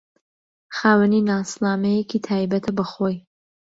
خاوەنی ناسنامەیەکی تایبەتە بە خۆی